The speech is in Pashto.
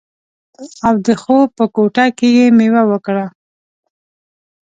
او د خوب په کوټه کې یې میوه وکړه